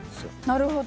なるほど。